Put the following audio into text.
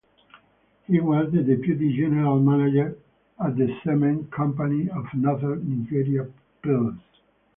He was the deputy general manager at the Cement Company of Northern Nigeria Plc.